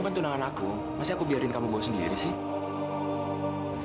kan tunangan aku masih aku biarin kamu sendiri sih